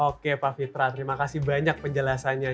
oke pak fitra terima kasih banyak penjelasannya